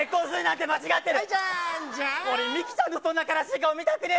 ミキちゃんのそんな悲しい顔見たくねえ。